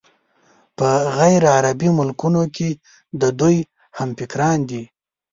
په غیرعربي ملکونو کې د دوی همفکران دي.